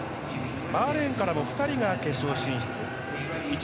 バーレーンからも２人が決勝進出